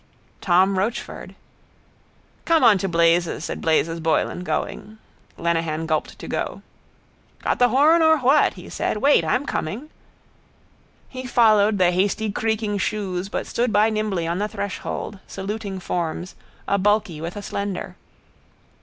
Tom Rochford... —Come on to blazes, said Blazes Boylan, going. Lenehan gulped to go. —Got the horn or what? he said. Wait. I'm coming. He followed the hasty creaking shoes but stood by nimbly by the threshold, saluting forms, a bulky with a slender.